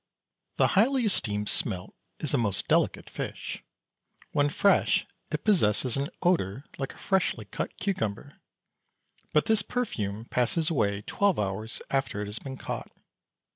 The highly esteemed smelt is a most delicate fish. When fresh it possesses an odour like a freshly cut cucumber, but this perfume passes away twelve hours after it has been caught.